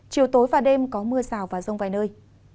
chiều tối và đêm có mưa rào và rông vài nơi